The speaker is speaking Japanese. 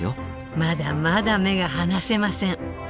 まだまだ目が離せません。